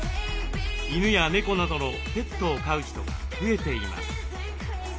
犬や猫などのペットを飼う人が増えています。